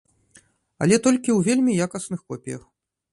Але толькі ў вельмі якасных копіях.